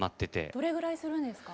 どれぐらいするんですか？